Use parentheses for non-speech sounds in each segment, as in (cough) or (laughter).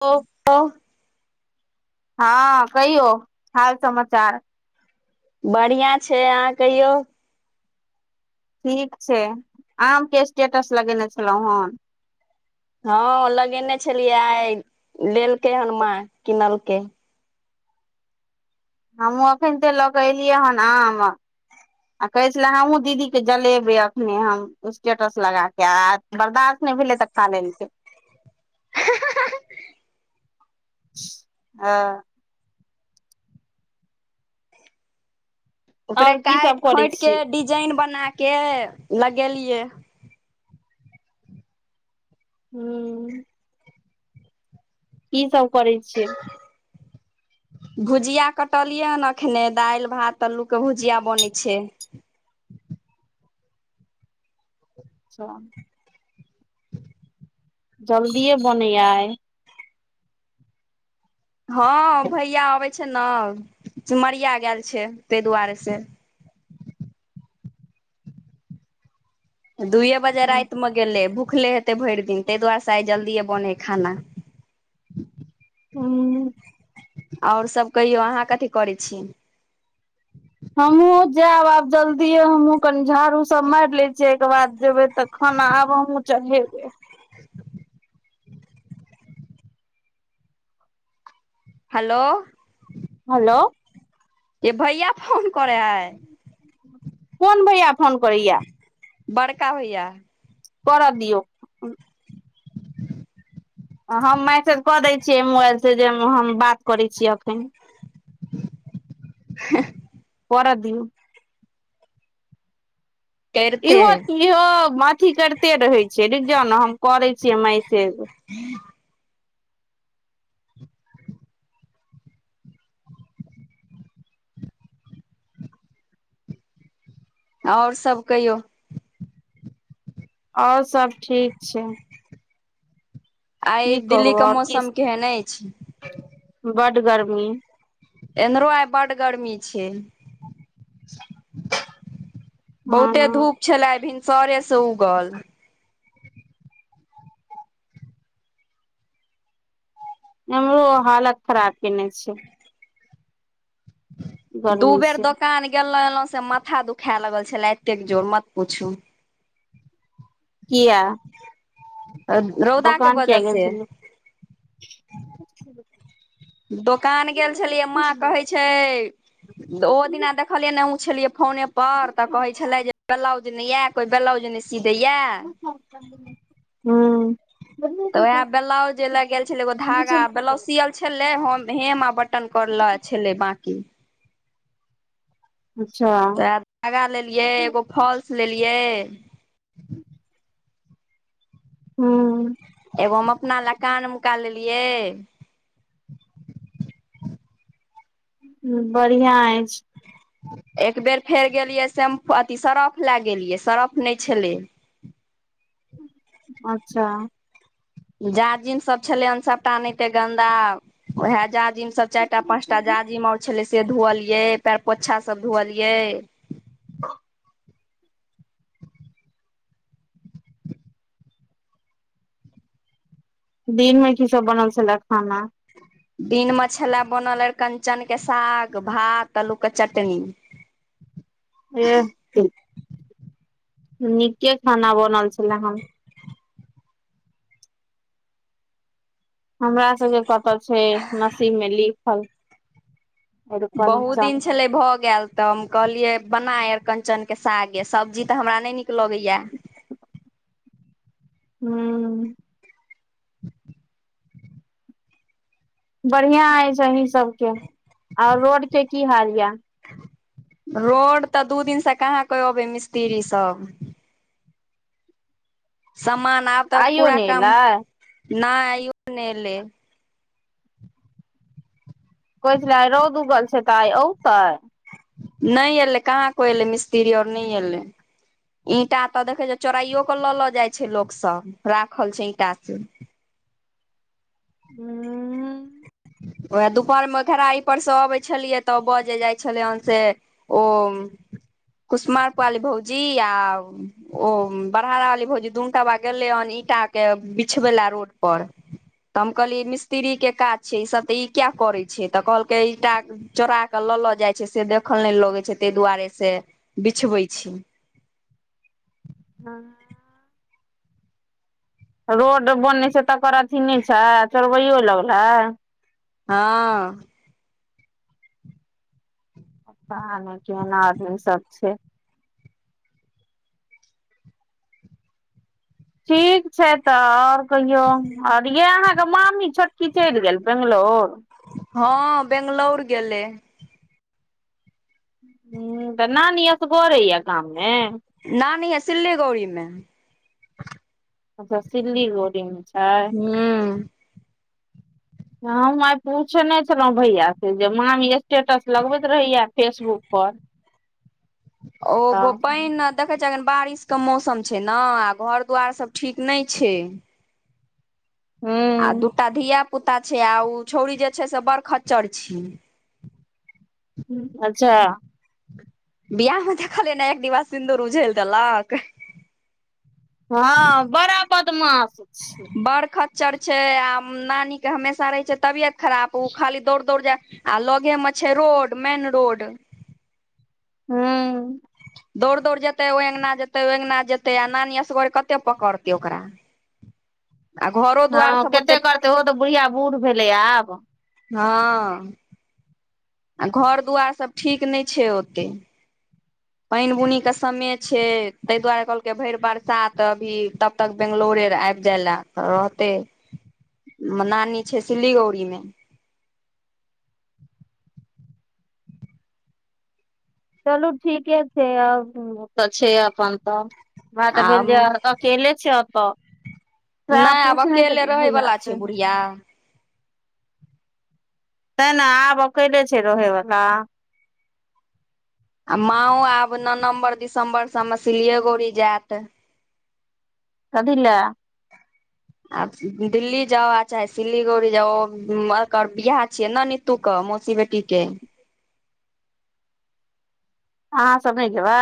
त (inaudible) हँ कहि यौ हाल समाचार बढ़िआं छै अहाँ कहियौ ठीक छै आम के स्टेटस लगेने छलहुँं हैन हँ लगेने छलियए आइ लेलकै हन माँ किनलकै हमहूँ एखइनते लऽ के एलियै हन आम कहे छलै हमहूँ दीदी के जलेबे अखने हम स्टेटस लगा के आयत बर्दाश्त नय भेलै तऽ खा लेलकै हँ ओकरे आओर की सब काइट करै खोट के छियै डिजाइन बना के लगेलियए हूँ की सब करै छियै भुजिया कटलियै हन अखने दाइल भात अल्लू के भुजिया बनैत छै अच्छा। जल्दिये बनै यआइ हँ भैया अबै छै ने चिमरिया गेल छै ताहि दुआरे से दुइए बजे ह राइतमे गेलै भुखले हेतै भरि दिन ताहि दुआरेसँ आइ जल्दिए बनै हइ खाना हँ ओर सभ कहियौ अहाँ कथी करै छीयै हमहुँ जायब आब जल्दिए हमहूँ कनि झाड़ू सब मारि लै छियै एहिके बाद जेबै तऽ खाना आब हमहुँ चढ़ेबे हेलो हेलो के भैया फोन करे है कोन भैया फोन करैया बड़का होइया कर दियौ हम मैसेज कऽ दै छियै मोबाइल से जे हम बात करैत छीयै एखन (unintelligible) (inaudible) पर दिऔ करिते इहो है इहो अथी करते रहे छै क जाउ ने हम करे छियै मैसेज (inaudible) ओर सब कहियौ ओर सब ठीक छै आइ की दिल्ली कहू के आओर मौसम केहन अछि बड्ड गर्मी इम्हरो आइ बड्ड गर्मी छै बहुते हँ धूप छलै भिनसरे से उगल हमरो हालत खराब कने छै दू गर्मी बेर से दोकान गेलौ एलहु से म क दुखाए लगल छलै एतेक जोर मत पुछू किया रौदा के दोकान वजह क से गो दोकान गेल छलियै माँ छलियै कहे छै ओ दिना देख देखलियै नहि हमहुँ छलियै फोनेप तऽ कहै छलै जे ब्लाउज नै या तऽ ब्लाउज नहि सी दैया हँ तऽ वएह ब्लाउज जे लग गेल छलै एगो धागा ब्लाउज सियल छलै हेम आ बटन करले छलै बाँकी अच्छा तऽ धागा लेलियए एगो फॉल्स लेलियै हूँ एगो हम अपना ल्य कानमेका लेलियै ह बढ़िया अछि एक बेर फेर गेलियै शेम्पू अथ सर्फ लए गेलियै सर्फ नइ छलै अच्छा जाजिम सब छलै हन सबटा एहिते गन्दा होए जा जाजिम सब चारि टा पाच टा जाजिम और छले से धुवलिये पयर पोछा सब धुअलिये दिन में की सब बनल छल खाना दिन मे छला बनल कंचक के साग भात आलू के चटनी एह नीके खाना बनल छलै हन हमरा सबके कतऽ छै मशी में लिखल बहुत दिन अरिकंचन छलै भऽ गेल तऽ हम कहलियै बना अरकंचनके साग य सब्जी तऽ हमरा नहि नीक लगैया हूँ बढ़िया अछिय अही सबके आऔर रोड के की हाल यऽ रोड तऽ दू दिन से कहाँ के अबे मिस्त्री सब सामान आब तऽ आइयो पूरा ने काम एलै न आइयो ने एले कहै छलै आइ रौद उगल छै तऽ आइ औतै नहि एलै कहाँ को एलै मिस्त्री और नहि एलै ईंटा तऽ देखे छै चोराइयो के ल ल जाय छै लोक सब राखल छै ईंटा से हूँ ओएह दुपहर में खेराह पर से अबै छलियै तऽ बजे जाइ छलै हेन से ओ कुसमार पाली भौजी आ ओ बड़हार रहली भौजी दूनटा बा गेले हन ईंटा के बिछबै ला रोड पर तऽ हम कहलियै मिस्त्री के काज छै ईसब तऽ ई किया करै छै तऽ कहलकै ईटा चोरा के लऽ लऽ जाइ छै से देखल नय लगै छै ताहि दुआरे से बिछबै छी हँ रोड बनय छै तकर अथी नहि छै चोरबैयो लगल हे हँ चा नइ एना आर सब छै ठीक छै तऽ ओर कहियौ आओर यान मामी छोटकी चलि गेल बैंगलोर हँ बेंगलोर गेलैय ह तऽ नानि असगर या गाममें नानी है सिलीगुड़ी में अच्छा सिलीगोरी अ छै हूँ हम आइ पूछने छलहुँ भैया से जे मामी स्टेटस लगबैत रहैया फेसबुक पर ओ गो तऽ पैन देखै छ अखन बारिश के मौसम छै ने आ घर दुवार सब ठीक नहि छै आ हूँ दूटा धिया पुता छै आ ओ छौउरी जे छै से बड़ खच्चर छैय हँ अच्छा बियाह में देखल ने जे एक डिबा सिन्दूर उझेल देलक हँ बड़ा बदमाश छै बरखत चर छै आ नानीक के हमेशा रहै छै तबियत खराब ओ खाली दौड़ दौड़ जाय आ लोगे म छै रोड मेन रोड हूँ दौड़ दौड़ जेतै ओहि अंगना जेतै ओ अ्गना जेतै आ नानी असगर कते पकड़तै ओकरा आ घरो हँ दुआर सब ओते कतेक करतै ओ तऽ बुढ़िया बुढ़ भेलै आब हँ आ घर दुआर सभ ठीक नहि छै ओतेक पानि बुनीके समय छै ताहि दुआरे कहलकै भरि बरसात अभी त तक बैंगलोरे आबि जाय ला तऽ रहते नानी छै सिल्लीगौड़ी मे चलू ठीके छै आब तऽ छै अपन तऽ बात आ भेल जे केले छै अ त पूछने छै भैया से इा (inaudible) तै ने आब अकले छै रहेवला आ माओ आब नवम्बर दिसम्बर से हम सिल्लीए गोड़ी जायत क द ल आ दिल्ली जाो आ चाहे सिलीगोड़ी जा बियाह छियै न न तू कह मौसी बेटीके अहाँ सब नहि जेयबै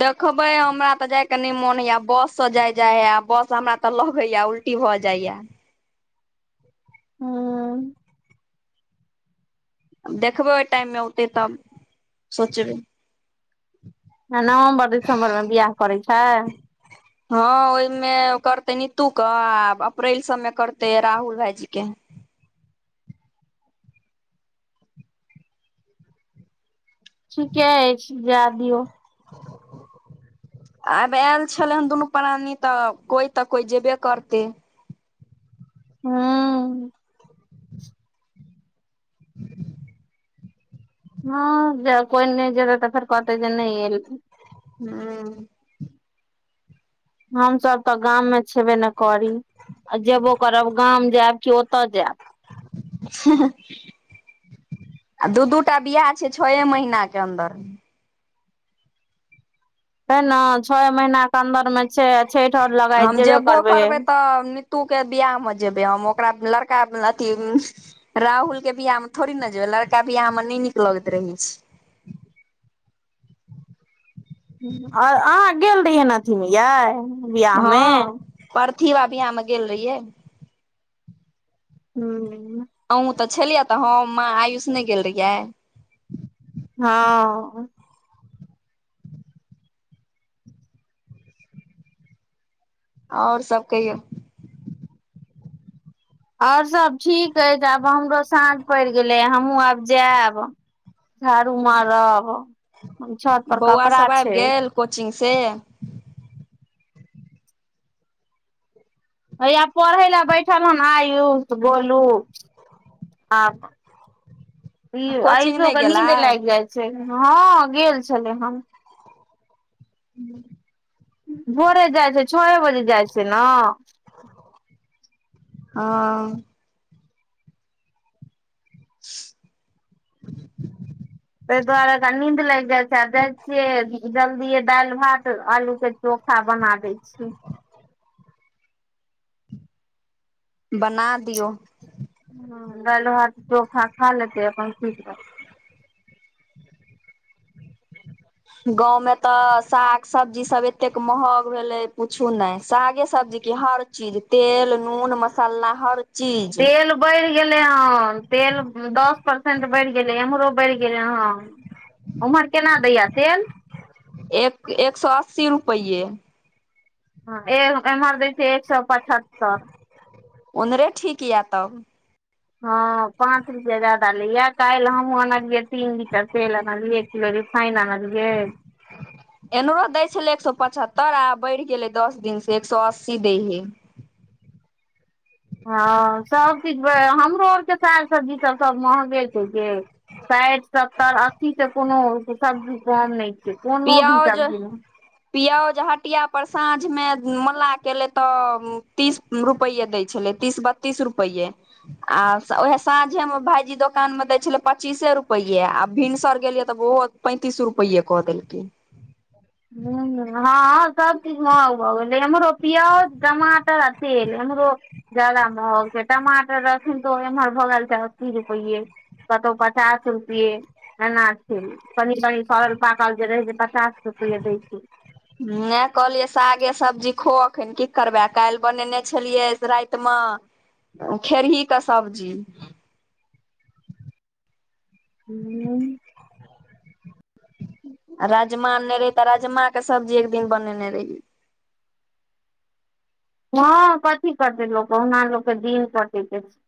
देखबै हमरा तऽ जाय के नहि मोन होइया बस से जाय जाय ह बस हमरा तऽ लगेया छुट्टी भऽ जाइया हँ (inaudible) देखबै ओहि टाइममे औतै तब सोचबै ह नवम्बर दिसम्बर मे बियाह करै छै हँ ओहिमे करते नीतू के आ अप्रैल सबमे करते राहुल भाईजी के ठीके अछि जा दियऔ आब आयल छले हन दुनू प्राणी तऽ कोई तऽ कोई जेबे करते हू हँ कोइ नहि जेत तऽ फेर कहते जे नहि आयल हुं हमसभ तऽ गाम मे छेबे नहि करी आ जेबो करब गाम जायब कि ओतऽ जायब ह (inaudible) आ दू दूटा बियाह छै छ महीना के अन्दर हे ने छओ महीनाक के अन्दरमे छै छठि आओर लगााय हम जेबे जेबो करबै तऽ (inaudible) तू के बियाह मे जेबै हम ओकरा लड़का अथी राहुल के बियाह मे थोड़ी ने जेबे लड़का बियाह मे नहि नीक लगैत रहै छै आ अहाँ गेल रहियै ने अथीमे याय हँ परथिवा बियाह मे गेल रहियै हूँ अहँ तऽ छलियै तऽ हम माँ आयुष नहि गेल रहियै हँ आओर सब कहियौ आओर सब ठीक ह त आब हमरो साँझ पड़ि गेलै हमहु आब जायब झाड़ू मारब छत पर कपड़ा छै कोचिंगसँ हैया पढ़ै लए बैठल हन आयुष गोलू आप कोचिंग आयुषो नहि के गेलै नीदे लाग जाइ छै हँ गेल छलै हम हू (inaudible) भोरे जाइ छै छए बजे जाइ छै ने हँ ह (inaudible) ताहि दुआरे नीन्द लागि जाइ छै आ याइ छियै जल्दि दालि भात आलू के चोखा बना दै छी बना दियौ ह दालो भात चोखा खा लेतै अपन सुति गााँंव मे तऽ साग सब्जी सब एते महग भेले पूछू ने सागे सब्जी क हर चीज तेल नून मसाला हर चीज तेल बढ़ि गेलै हँ तेल दस परसेंट बढ़ि गेलै इम्हरो बढ़ि गेलै हन ओम्हर केना दैया तेल एक एक सए अस्सी रुपैेएये ह एम्हर दै छै एक सए पचहत्तर उधरे ठीक यऽ तब हँ पाँच रुपएया प ला काल्हि हमहुँ आनलियै तीन लीटर तेल आनलियै एक किलो रिफाइन आनलियै (inaudible) एमहरो दै छलै एक सए पचहत्तर आ बढ़ि गेलै दस दिन से एक सए अस्सी दै हे हँ सबचीज हमरो आरके साग सब्जी त सब महगे छै जे साड सत्तर अस्सी तऽ कोनो सबजी कम नहि कोनो भी पिओज सब्जी मे पिओज हटिया पर साँझमे मल्लाह कलै तऽ तीस रुपैेये दै छलै तीस बत्तीस रुपैेए आ उएह साँझेमे भायजी दोकानमे दै छलै पच्चीसे रुपैए आ भिनसर गेलियै तऽ बहुत पैंतिस रुपैयए कऽ देलके हु हँ सब चीज महग भ गेल पिओज टमाटर आ तेल इमरो ज्यादा महग टमाटर रहथिन तऽ ओ एम्हर भऽ गेल छै अस्सी रुपैएये कतहु पचास रुपे एना छै कनि कनी सरल पाकल जे रहे जे पचास त फले दै छी (inaudible) ह कहलियै सागे सब्जी खो अखन की करबै काल्हि बनेने छलियै ताहिम खेरही क सब्जी हूँ राजमा आनने रहि तऽ राजमा के सब्जी एक दिन बनेने रहि हँ कथी करते लोग कहुना लोकके दिन कटे के छै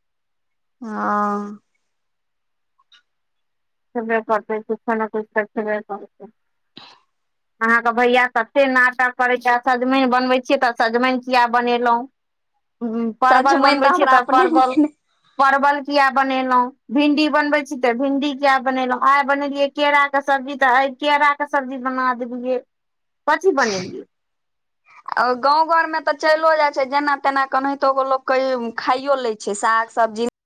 हाँ े करतै किछु ने किछु त खबे करत (unintelligible) अहाँके भैया कत्ते नाटक करैत छैथ सजमनि बनबै छियै तऽ सजमनि किया बनेलहुँ परवल सजमनि बनबै छियै हमरा तऽ अपने परवल नीक परवल किया बनेलहुं भिन्डी बनबे छी त भिन्डी किया बनेलहुं आइ बनेलियै केरा के सब्जी तऽ आ केरा के सब्जी बना देलियै कथी बनेलिय गाँंव घर मे तऽ चेलो जाय छै जेना तेना केनाहितो गो लोक खाइयो ले छै साग सब्जी